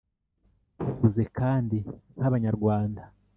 Tuvuze kandi nk’Abanyarwanda.